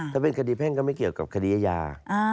ถ้าเป็นคดีแพ่งก็ไม่เกี่ยวกับคดีอาญา